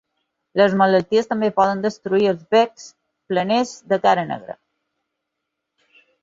Les malalties també poden destruir els becs planers de cara negra.